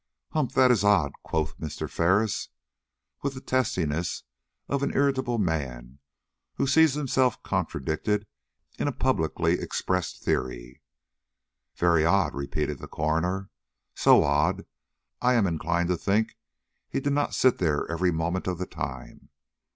"Humph! that is odd," quoth Mr. Ferris, with the testiness of an irritable man who sees himself contradicted in a publicly expressed theory. "Very odd," repeated the coroner; "so odd, I am inclined to think he did not sit there every moment of the time.